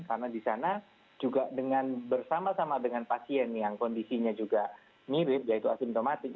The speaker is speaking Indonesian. karena di sana juga bersama sama dengan pasien yang kondisinya juga mirip yaitu asymptomatic